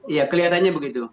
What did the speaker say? iya kelihatannya begitu